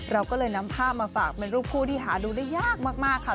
เราก็เลยนำภาพมาฝากเป็นรูปคู่ที่หาดูได้ยากมากค่ะ